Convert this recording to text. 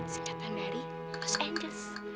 singkatan dari los angeles